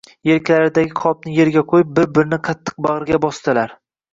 Elkalaridagi qopni erga qo`yib, bir-birini qattiq bag`riga bosdilar